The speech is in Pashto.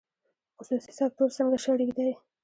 خصوصي سکتور څنګه شریک دی؟